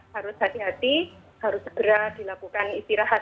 harus hati hati harus segera dilakukan istirahat